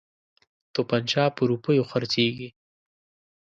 توپنچه په روپیو خرڅیږي.